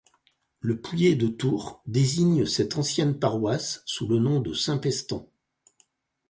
Le Pouillé de Tours désigne cette ancienne paroisse sous le nom de Saint-Pestan.